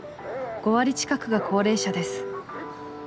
５割近くが高齢者です。